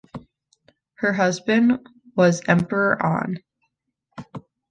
Her husband was Emperor An.